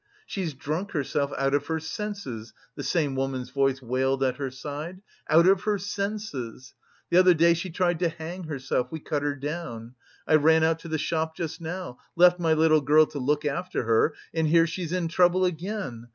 "She's drunk herself out of her senses," the same woman's voice wailed at her side. "Out of her senses. The other day she tried to hang herself, we cut her down. I ran out to the shop just now, left my little girl to look after her and here she's in trouble again!